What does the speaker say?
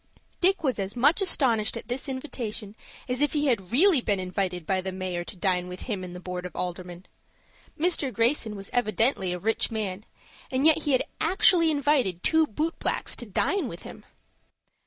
Dick was as much astonished at this invitation as if he had really been invited by the Mayor to dine with him and the Board of Aldermen. Mr. Greyson was evidently a rich man, and yet he had actually invited two boot blacks to dine with him.